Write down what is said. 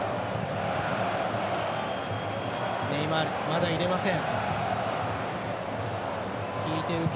ネイマール、まだ入れません。